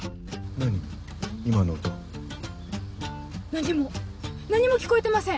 何も何も聞こえてません。